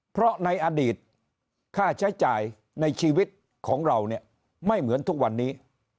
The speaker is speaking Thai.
เพราะในอดีตค่าใช้จ่ายในชีวิตของเราเนี่ยไม่เหมือนทุกวันนี้